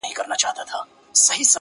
ورځه ویده سه موږ به څرک د سبا ولټوو،،!